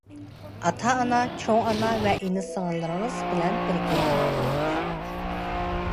ئاتا-ئانا، چوڭ ئانا ۋە ئىنى-سىڭىللىرى بىلەن بىرگە.